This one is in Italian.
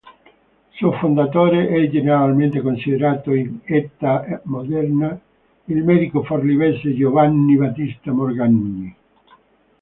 Suo fondatore è generalmente considerato, in età moderna, il medico forlivese Giovanni Battista Morgagni.